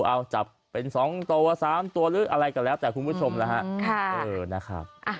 ว่าจะเป็นสองตัวสามตัวหรืออะไรกันแล้วแต่คุณผู้ชมแล้วฮะค่ะเออนะครับอ่ะ